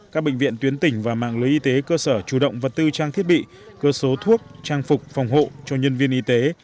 các bệnh viện tuyến tỉnh và mạng lưới y tế cơ sở chủ động vật tư trang thiết bị cơ số thuốc trang phục phòng hộ cho nhân viên y tế